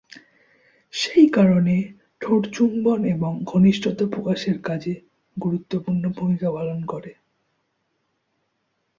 সেই কারণে ঠোঁট চুম্বন এবং ঘনিষ্ঠতা প্রকাশের কাজে গুরুত্বপূর্ণ ভূমিকা পালন করে।